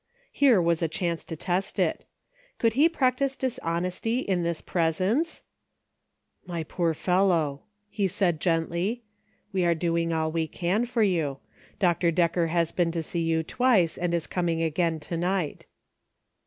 Here was a chance to test it. Could he practise dishonesty in this presence ?" My poor fellow !" he said gently, " we are doing all we can for you. Dr. Decker has been to see you twice, and is coming again to night."